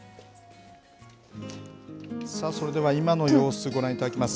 さあ、それでは今の様子ご覧いただきます。